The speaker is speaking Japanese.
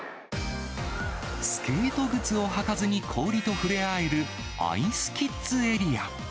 スケート靴を履かずに氷と触れ合える、アイスキッズエリア。